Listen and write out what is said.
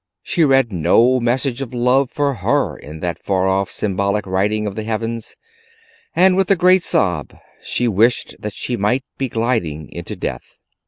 She read no message of love for her in that far off symbolic writing of the heavens, and with a great sob she wished that she might be gliding into death.